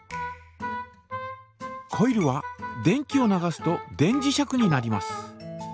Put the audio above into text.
コイルは電気を流すと電磁石になります。